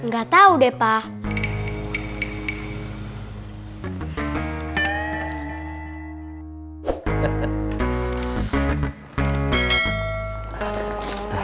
gak tau deh pak